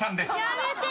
やめて！